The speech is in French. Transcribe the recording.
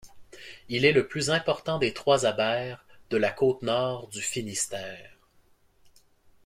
Il est le plus important des trois abers de la côte nord du Finistère.